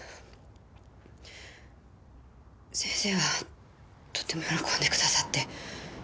先生はとっても喜んでくださって。